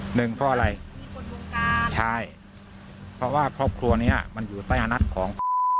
หนึ่งเพราะอะไรใช่เพราะว่าครอบครัวนี้มันอยู่ใต้อานัทของ